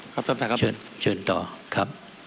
ครับท่านประธานครับเชิญต่อครับ